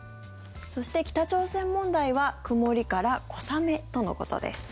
そして、北朝鮮問題は曇りから小雨とのことです。